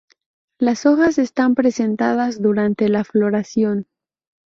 Las hojas están presentadas durante la floración.